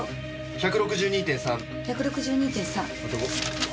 １６２．３。